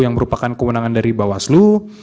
yang merupakan kewenangan dari bawaslu